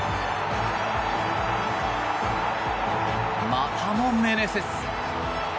またもメネセス！